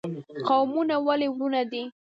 قومونه ولې ورونه دي؟